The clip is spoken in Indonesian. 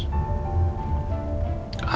keadilan untuk kamu